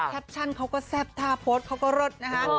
แคปชั่นเขาก็แซ่บทาโพสต์เขาก็รดนะคะ